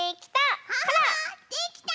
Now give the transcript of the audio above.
できた！